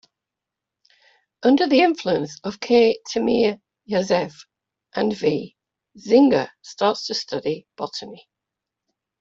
Under the influence of K. Timiryazev and V. Zinger starts to study Botany.